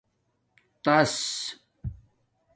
تاس